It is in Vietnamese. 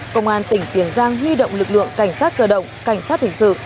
công an tỉnh tiền giang huy động lực lượng cảnh sát cơ động cảnh sát hình sự